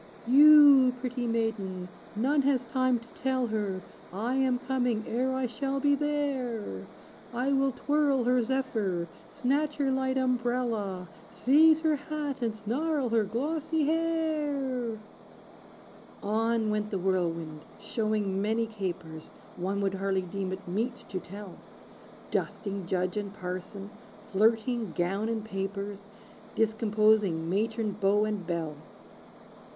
"You, pretty maiden none has time to tell her I am coming, ere I shall be there. I will twirl her zephyr snatch her light umbrella, Seize her hat, and snarl her glossy hair!" On went the Whirlwind, showing many capers One would hardly deem it meet to tell; Dusting Judge and Parson flirting gown and papers, Discomposing matron, beau and belle.